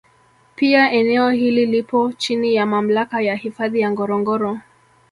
Pia eneo hili lipo chini ya Mamlaka ya Hifadhi ya Ngorongoro